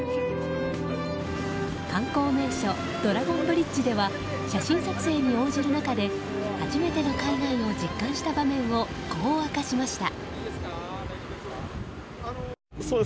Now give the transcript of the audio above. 観光名所、ドラゴンブリッジでは写真撮影に応じる中で初めての海外を実感した場面をこう明かしました。